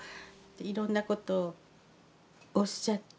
いろんなことをおっしゃって。